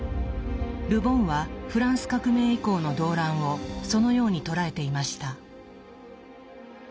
ル・ボンはフランス革命以降の動乱をそのように捉えていました。